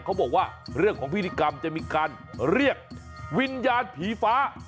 เขาบอกว่าเรื่องของพิธีกรรมจะมีการเรียกวิญญาณผีฟ้า